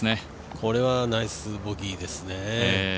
これはナイスボギーですね。